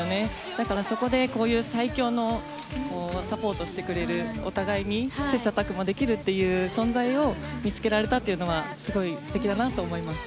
だからそこでこういう最強のサポートをしてくれるお互いに、切磋琢磨できる存在を見つけられたというのは本当にすごい素敵だなと思います。